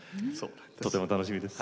とても楽しみです。